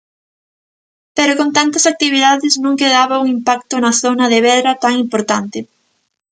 Pero con tantas actividades non quedaba un impacto na zona de Vedra tan importante.